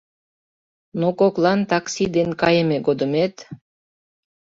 Но коклан такси ден кайыме годымет